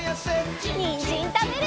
にんじんたべるよ！